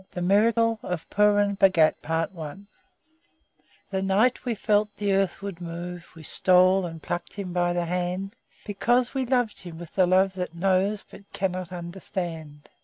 THE MIRACLE OF PURUN BHAGAT The night we felt the earth would move We stole and plucked him by the hand, Because we loved him with the love That knows but cannot understand.